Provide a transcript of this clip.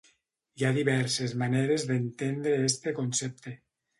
Hi ha diverses maneres d'entendre este concepte.